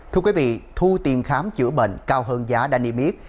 thưa quý vị thu tiền khám chữa bệnh cao hơn giá đa niêm yếp